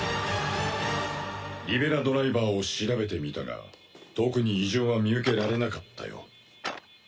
リベラドライバーを調べてみたが特に異常は見受けられなかったよ。